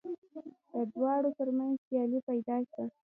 د دواړو تر منځ سیالي پیدا شوه